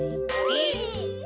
えっ。